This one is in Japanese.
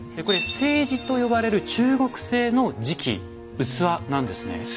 これ「青磁」と呼ばれる中国製の磁器器なんですね。